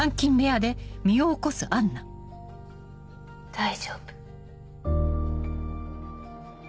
大丈夫。